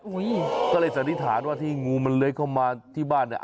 ก็เลยสันนิษฐานว่าที่งูมันเลื้อยเข้ามาที่บ้านเนี่ย